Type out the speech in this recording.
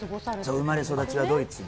生まれ、育ちはドイツで。